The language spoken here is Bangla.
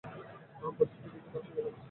পরিস্থিতি কিছুটা আশংকাজনক।